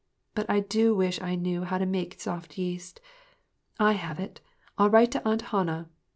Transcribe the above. But I do wish I knew how to make soft yeast. I have it ! I'll write to Aunt Hannah.